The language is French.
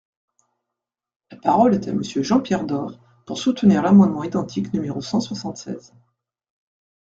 La parole est à Monsieur Jean-Pierre Door, pour soutenir l’amendement identique numéro cent soixante-seize.